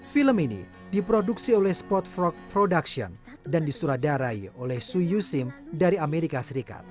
film ini diproduksi oleh spotfrog productions dan disuradarai oleh su yusim dari amerika serikat